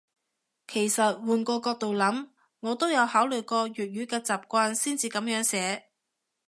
其實換個角度諗，我都有考慮過粵語嘅習慣先至噉樣寫